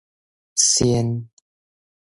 仙